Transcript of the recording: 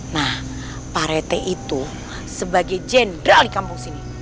nah pak rete itu sebagai jendral di kampung sini